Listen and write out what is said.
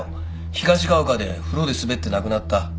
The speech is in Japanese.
東が丘で風呂で滑って亡くなった。